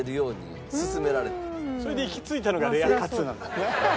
それで行き着いたのがレアカツなんですね。